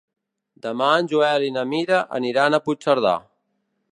Demà en Joel i na Mira aniran a Puigcerdà.